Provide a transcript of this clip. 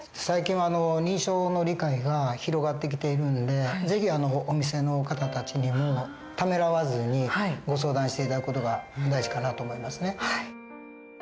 最近は認知症の理解が広がってきているんで是非お店の方たちにもためらわずにご相談して頂く事が大事かなと思いますね。